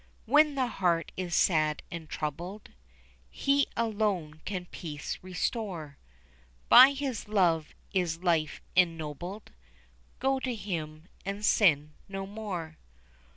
When the heart is sad and troubled He alone can peace restore, By his love is life ennobled; Go to Him and sin no more.